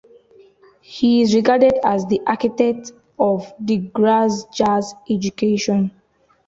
He is regarded as the "architect" of the Graz jazz education.